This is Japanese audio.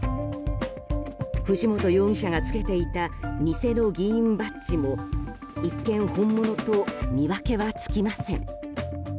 藤本容疑者がつけていた偽の議員バッジも一見、本物と見分けはつきません。